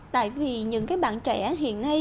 tại vì những cái bạn trẻ hiện nay